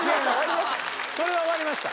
それは終わりました。